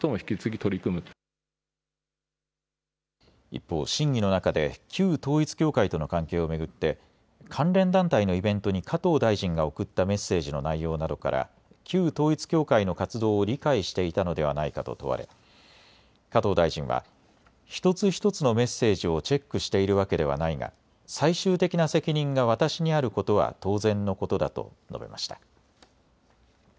一方、審議の中で旧統一教会との関係を巡って関連団体のイベントに加藤大臣が送ったメッセージの内容などから旧統一教会の活動を理解していたのではないかと問われ、加藤大臣は一つ一つのメッセージをチェックしているわけではないが最終的な責任が私にあることは当然のことだと述べました。